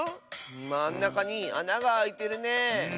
まんなかにあながあいてるね。